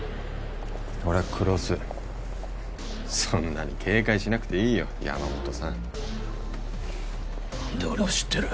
俺は黒須そんなに警戒しなくていいよ山本さん何で俺を知ってる？